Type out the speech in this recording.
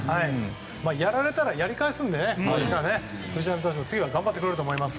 やられたらやり返すので藤浪投手も次は頑張ってくると思います。